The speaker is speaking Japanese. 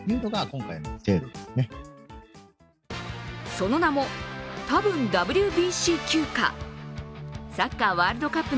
その名もたぶんＷＢＣ休暇。